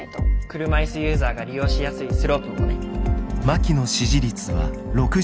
車いすユーザーが利用しやすいスロープもね。